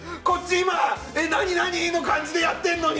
今、え、何何？の感じでやってるのに。